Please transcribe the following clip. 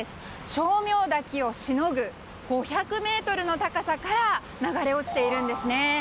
称名滝をしのぐ５００ｍの高さから流れ落ちているんですね。